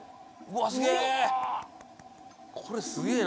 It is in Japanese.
うわすげぇ！